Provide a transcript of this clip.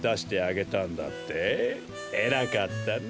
えらかったね。